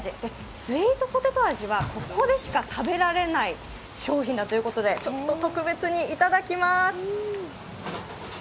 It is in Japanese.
スイートポテト味はここでしか食べられない商品だということで、ちょっと特別にいただきまーす。